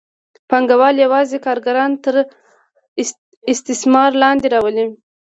پانګوال یوازې کارګران تر استثمار لاندې راولي.